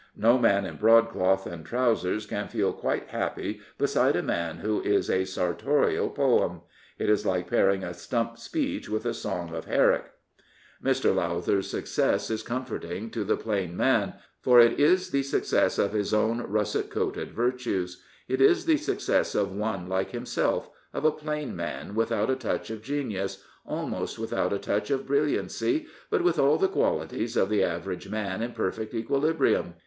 No man in broadcloth and trousers can feel quite happy beside a man who is a sartorial poem. It is like pairing a s^mp speech with a song of Herrick. Mr. Lowther's success is comforting to the plain man, for it is the success of his own russet coated virtues. It is the success of one like himself — of a plain man without a touch of genius, almost without a touch of brilliancy, but with all the qualities of the average man in perfect equilibrium.